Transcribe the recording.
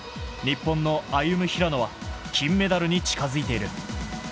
日本のアユム・ヒラノは金メダルに近づいている。